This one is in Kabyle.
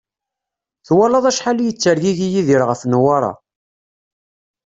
Twalaḍ acḥal i yettergigi Yidir ɣef Newwara?